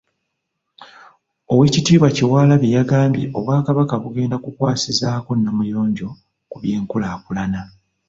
Oweekitiibwa Kyewalabye yagambye Obwakabaka bugenda kukwasizaako Namuyonjo ku by'enkulaakulana.